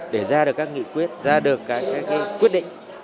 để ra được các nghị quyết ra được cái quyết định